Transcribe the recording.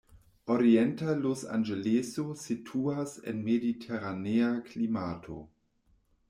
Orienta Losanĝeleso situas en mediteranea klimato.